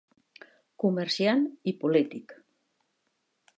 Comerciant i polític.